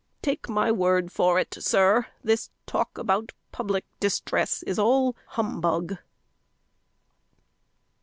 Take my word for it, sir, this talk about public distress is all humbug!"